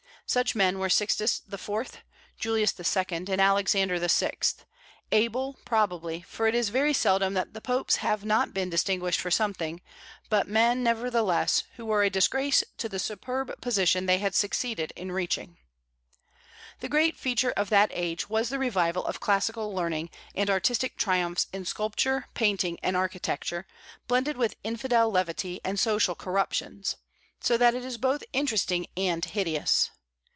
Such men were Sixtus IV., Julius II., and Alexander VI., able, probably, for it is very seldom that the popes have not been distinguished for something, but men, nevertheless, who were a disgrace to the superb position they had succeeded in reaching. The great feature of that age was the revival of classical learning and artistic triumphs in sculpture, painting, and architecture, blended with infidel levity and social corruptions, so that it is both interesting and hideous.